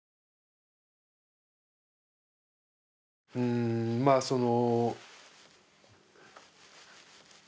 んまあその。